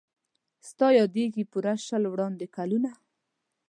ستا یادیږي پوره شل وړاندي کلونه